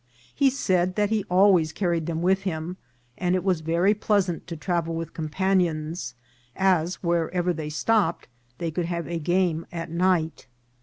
He said that he always carried them with him, and it was very pleas ant to travel with companions, as, wherever they stopped, they could have a game at night.